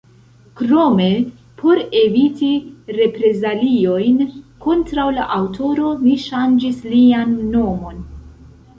Krome, por eviti reprezaliojn kontraŭ la aŭtoro, ni ŝanĝis lian nomon.